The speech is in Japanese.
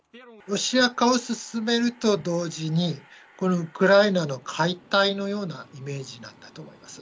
ロシア化を進めると同時に、このウクライナの解体のようなイメージなんだと思います。